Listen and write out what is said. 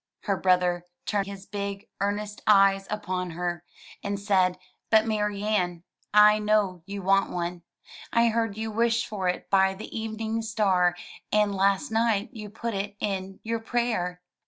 Her brother turned his big, earnest eyes upon her, and said, "But, Marianne, I know you want one. I heard you wish for it by the evening star, and last night you put it in your prayer."